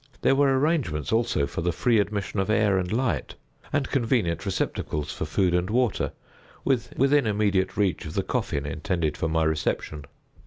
There were arrangements also for the free admission of air and light, and convenient receptacles for food and water, within immediate reach of the coffin intended for my reception.